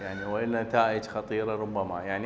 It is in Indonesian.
menggunakan alihkan alihkan alihkan berbalan